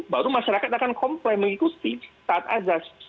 baru masyarakat akan komplain mengikuti saat ajar